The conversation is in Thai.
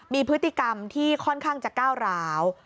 มีพฤติกรรมที่ค่อนข้างจะก้าวร้าว